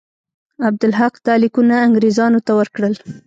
عبدالحق دا لیکونه انګرېزانو ته ورکړل.